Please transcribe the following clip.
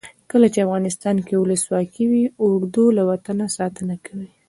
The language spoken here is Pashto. کله چې افغانستان کې ولسواکي وي اردو له وطنه ساتنه کوي.